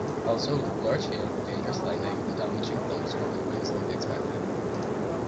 Also, large hail, dangerous lightning and damaging thunderstorm winds can be expected.